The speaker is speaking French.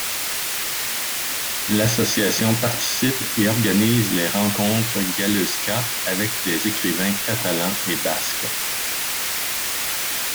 L'association participe et organise les rencontres Galeusca avec des écrivains catalans et basques.